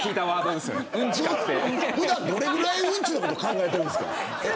普段どれぐらいうんちのこと考えているんですか。